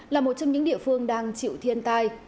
là một trong những địa phương đang chịu thiên tai